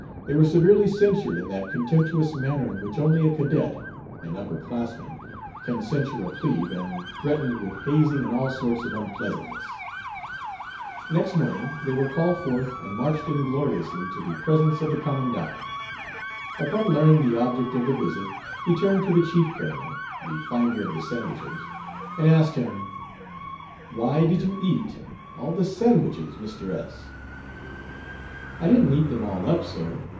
They were severely censured in that contemptuous manner in which only a cadet, an upper classman, can censure a plebe, and threatened with hazing and all sorts of unpleasantness. Next morning they were called forth and marched ingloriously to the presence of the commandant. Upon learning the object of the visit he turned to the chief criminal the finder of the sandwiches and asked him, "Why did you eat all the sandwiches, Mr. S ?" "I didn't eat them all up, sir.